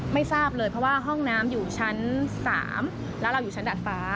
ไม่ทราบเลยเพราะว่าห้องน้ำอยู่ชั้น๓แล้วเราอยู่ชั้นดัดฟ้า